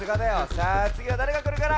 さあつぎはだれがくるかな？